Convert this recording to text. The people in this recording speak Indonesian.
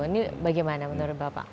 ini bagaimana menurut bapak